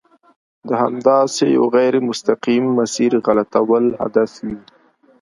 د همداسې یوه غیر مستقیم مسیر غلطول هدف وي.